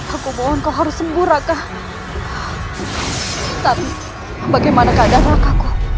aku mohon kau harus sembuh raka tapi bagaimana keadaan kakakku